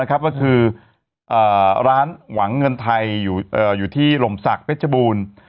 ก็คือร้านหวังเงินไทยอยู่ที่หล่มศักดิ์เพชรบูรณ์